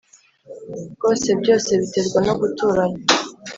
rwose byose biterwa no guturana